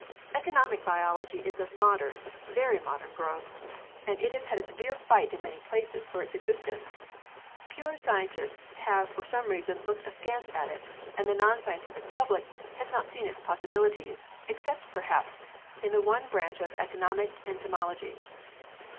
Economic biology is of modern, very modern growth, and it has had a severe fight in many places 126 PEARLS [CH. for its existence. Pure scientists have for some reason looked askance at it, and the non scientific public has not seen its possibilities, except perhaps in the one branch of economic entomology.